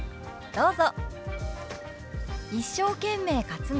どうぞ。